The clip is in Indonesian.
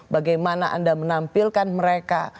bagaimana anda menampilkan mereka